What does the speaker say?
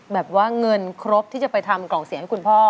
แบบว่าเงินครบที่จะไปทำกล่องเสียงให้คุณพ่อ